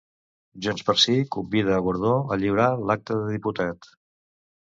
JxSí convida a Gordó a lliurar l'acta de diputat.